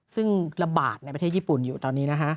ซึ่งระบาดในประเทศญี่ปุ่นอยู่ตอนนี้นะฮะ